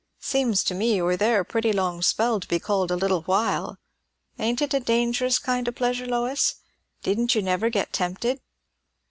"Seems to me, you was there a pretty long spell to be called 'a little while.' Ain't it a dangerous kind o' pleasure, Lois? Didn't you never get tempted?"